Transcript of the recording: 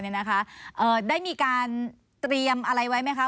คัวศิษย์นี้กับทางตำรวจศพได้มีการเตรียมอะไรไว้ไหมคะ